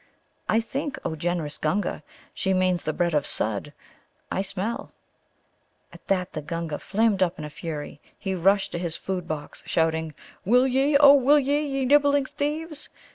I think, O generous Gunga, she means the bread of Sudd, I smell." At that the Gunga flamed up in a fury. He rushed to his food box, shouting, "Will ye, oh, will ye, ye nibbling thieves!"